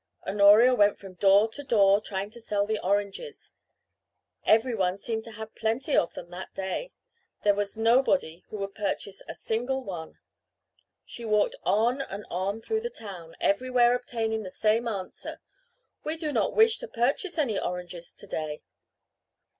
Honoria went from door to door trying to sell the oranges. Every one seemed to have plenty of them that day. There was nobody who would purchase a single one. She walked on and on through the town, everywhere obtaining the same answer, "We do not wish to purchase any oranges to day."